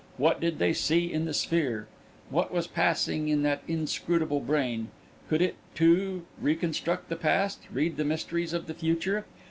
What did they see in the sphere? What was passing in that inscrutable brain? Could it, too, reconstruct the past, read the mysteries of the future